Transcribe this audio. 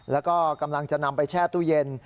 แล้วก็กำลังจะนำไปแช่ตู้เย็น